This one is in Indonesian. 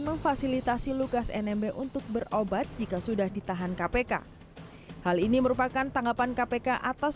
memfasilitasi lukas nmb untuk berobat jika sudah ditahan kpk hal ini merupakan tanggapan kpk atas